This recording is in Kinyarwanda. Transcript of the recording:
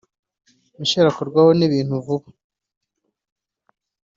Michelle akorwaho n’ibintu vuba